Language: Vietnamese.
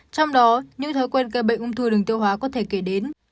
trong đó những thói quen gây bệnh ung thư đường tiêu hóa có thể kể đến